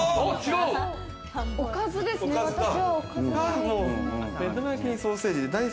おかずですね、私は。